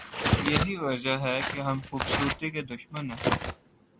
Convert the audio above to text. یہی وجہ ہے کہ ہم خوبصورتی کے دشمن ہیں۔